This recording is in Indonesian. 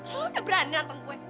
lo udah berani nanteng gue